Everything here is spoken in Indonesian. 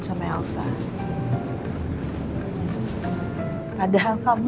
saya mielup dengan diri kamu